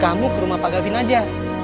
kamu ke rumah pak gavin aja